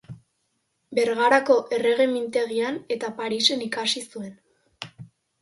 Bergarako Errege Mintegian eta Parisen ikasi zuen.